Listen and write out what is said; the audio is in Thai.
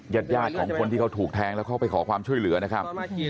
ญาติยาดของคนที่เขาถูกแทงแล้วเข้าไปขอความช่วยเหลือนะครับ